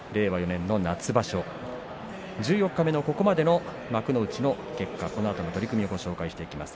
４年の夏場所十四日目のここまでの幕内の結果このあとの取組を紹介します。